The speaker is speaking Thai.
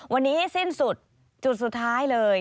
วันนี้สิ้นสุดจุดสุดท้ายเลย